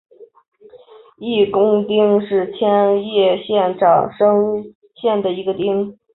一宫町是千叶县长生郡的一町。